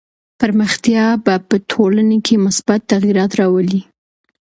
پرمختيا به په ټولنه کي مثبت تغيرات راولي.